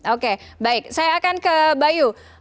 oke baik saya akan ke bayu